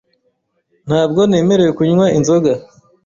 Ntabwo nemerewe kunywa inzoga .